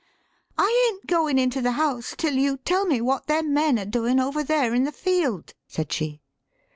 ] "I ain't goin' into the house till you tell me what them men are doin' over there in the field," said she.